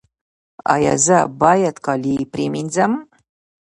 ایا زه باید کالي پریمنځم؟